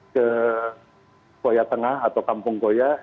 ke koya tengah atau kampung goya